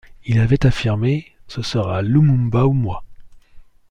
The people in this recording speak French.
Il avait affirmé:Ce sera Lumumba ou moi.